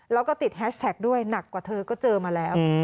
แล้วก็ติดแฮชแท็กด้วยหนักกว่าเธอก็เจอมาแล้ว